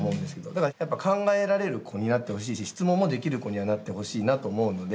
だから、考えられる子になってほしいし質問もできる子にはなってほしいなと思うので